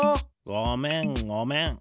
ごめんごめん。